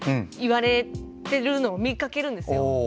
言われてるのを見かけるんですよ。